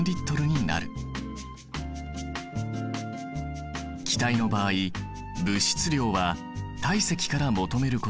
気体の場合物質量は体積から求めることができる。